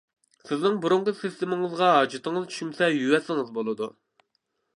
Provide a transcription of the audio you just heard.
سىزنىڭ بۇرۇنقى سىستېمىڭىزغا ھاجىتىڭىز چۈشمىسە يۇيۇۋەتسىڭىز بولىدۇ.